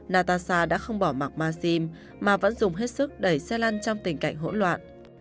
natasha đã không bỏ mặc maxim mà vẫn dùng hết sức đẩy xe lăn trong tình cảnh hỗn loạn